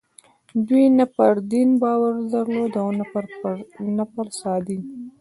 دوی نه پر دین باور درلود او نه پر سادین.